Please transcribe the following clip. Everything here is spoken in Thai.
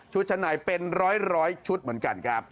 ชั้นในเป็นร้อยชุดเหมือนกันครับ